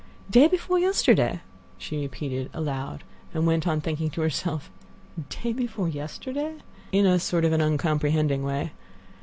"Day before yesterday!" she repeated, aloud; and went on thinking to herself, "day before yesterday," in a sort of an uncomprehending way.